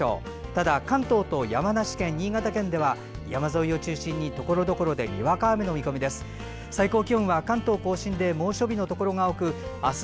ただ関東と山梨県、新潟県では山沿いを中心にところどころでにわか雨の見込みです。